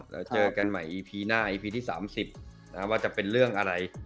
แล้วเจอกันใหม่อีพีหน้าอีพีที่๓๐ว่าจะเป็นเรื่องอะไร